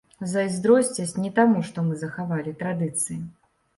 Зайздросцяць не таму, што мы захавалі традыцыі.